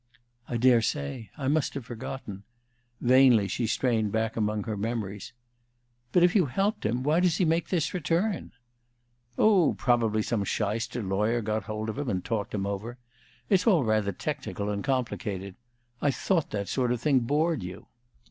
"I daresay. I must have forgotten." Vainly she strained back among her memories. "But if you helped him, why does he make this return?" "Oh, probably some shyster lawyer got hold of him and talked him over. It's all rather technical and complicated. I thought that kind of thing bored you."